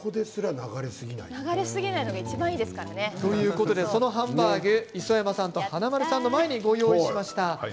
流れすぎないのがそのハンバーグ磯山さんと華丸さんの前にご用意しました。